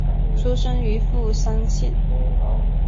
出身于富山县。